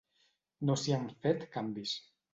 No s'hi han fet canvis.